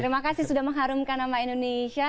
terima kasih sudah mengharumkan nama indonesia